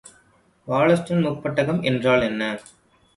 Wollaston முப்பட்டகம் என்றால் என்ன?